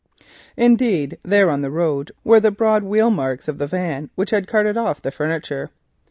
Indeed, there on the road were the broad wheelmarks of the van which had carted off the furniture.